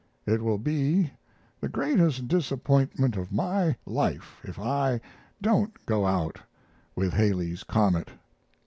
It will be the greatest disappointment of my life if I don't go out with Halley's comet.